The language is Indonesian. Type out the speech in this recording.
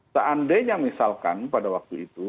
seandainya misalkan pada waktu itu